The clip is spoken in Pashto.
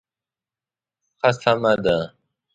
ښه سمه ده.